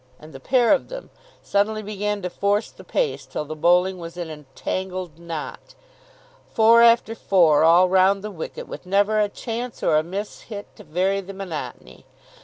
And the pair of them suddenly began to force the pace till the bowling was in a tangled knot. Four after four, all round the wicket, with never a chance or a mishit to vary the monotony.